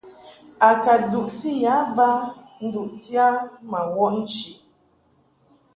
A ka duʼti ya ba nduʼti a ma wɔʼ nchi.